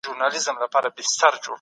کمپيوټر سامان څاري.